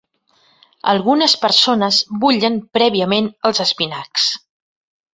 Algunes persones bullen prèviament els espinacs.